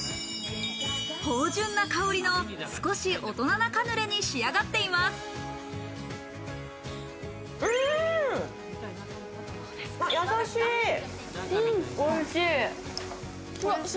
芳醇な香りの少し大人なカヌレに仕上がっています。